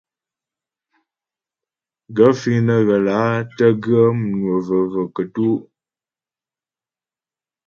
Gaə̂ fíŋ nə́ ghə́ lǎ tə́ ghə́ mnwə və̀və̀ kətú' ?